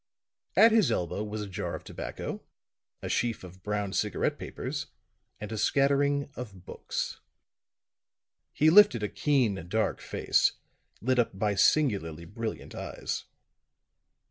At his elbow was a jar of tobacco, a sheaf of brown cigarette papers and a scattering of books. He lifted a keen dark face, lit up by singularly brilliant eyes.